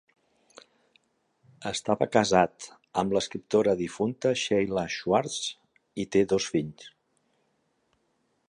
Estava casat amb l'escriptora difunta Sheila Schwartz i té dos fills.